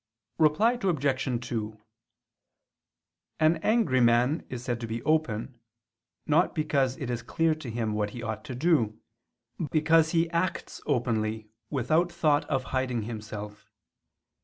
Reply Obj. 2: An angry man is said to be open, not because it is clear to him what he ought to do, but because he acts openly, without thought of hiding himself.